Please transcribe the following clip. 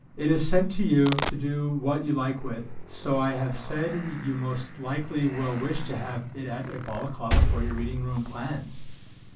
It is sent to you to do what you like with, so I have said you most likely will wish to have it at Balaclava for your Reading Room plans.